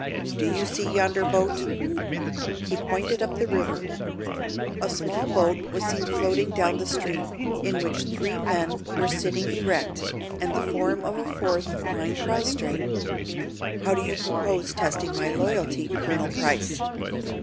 Do you see yonder boat?" He pointed up the river. A small boat was seen floating down the stream, in which three men were sitting erect, and the form of a fourth, lying prostrate. "How do you propose testing my loyalty, Colonel Price?"